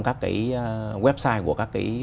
các cái website của các cái